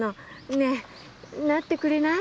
ねえなってくれない？